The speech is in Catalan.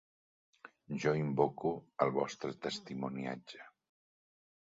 Jo invoco el vostre testimoniatge.